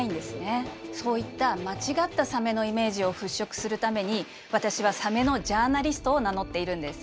そういった間違ったサメのイメージを払拭するために私はサメのジャーナリストを名乗っているんです。